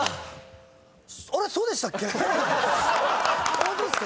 ホントですか？